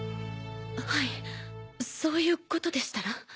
はいそういうことでしたら。